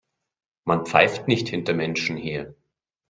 Man pfeift nicht hinter Menschen her.